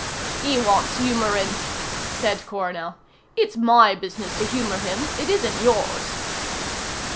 "He wants humouring," said Coronel. "It's my business to humour him, it isn't yours."